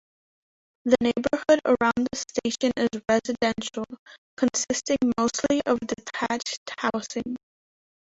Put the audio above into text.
The neighborhood around the station is residential, consisting mostly of detached housing.